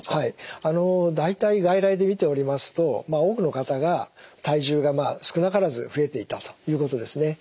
大体外来で診ておりますと多くの方が体重が少なからず増えていたということですね。